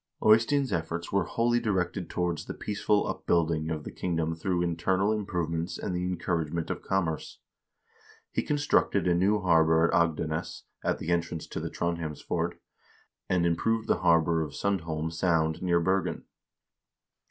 Eystein's efforts were wholly directed towards the peaceful upbuilding of the kingdom through internal improvements and the encouragement of commerce. He constructed a new harbor at Agdenes, at the entrance to the Trondhjemsfjord, and improved the harbor of Sundholm Sound near Bergen.